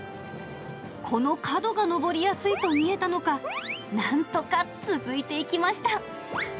この角が上りやすいと見えたのか、なんとか続いていきました。